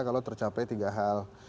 kalau tercapai tiga hal